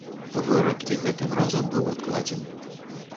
Вырак і гэтым разам быў адкладзены.